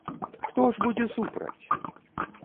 Хто ж будзе супраць?!